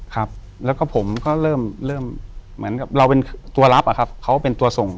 ครับแล้วก็ผมก็เริ่มเริ่มเหมือนกับเราเป็นตัวลับอะครับเขาเป็นตัวส่ง